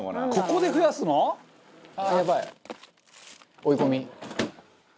追い込み」